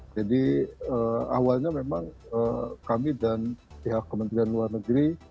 jadi awalnya memang kami dan pihak kementerian luar negeri